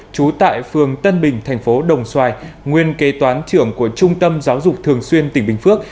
trú tại phường tân bình thành phố đồng xoài nguyên kế toán trưởng của trung tâm giáo dục thường xuyên tỉnh bình phước